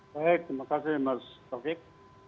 baik terima kasih mas taufik